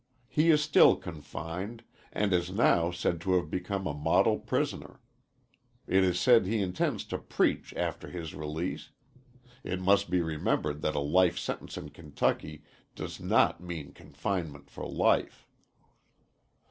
He is still confined and is now said to have become a model prisoner. It is said he intends to preach after his release, it must be remembered that a life sentence in Kentucky does not mean confinement for life.